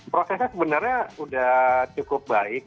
prosesnya sebenarnya sudah cukup baik